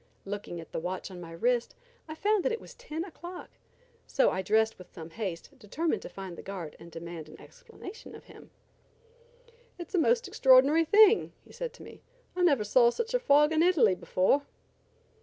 Looking at the watch on my wrist I found that it was ten o'clock, so I dressed with some haste determined to find the guard and demand an explanation of him. "It is a most extraordinary thing," he said to me; "I never saw such a fog in Italy before."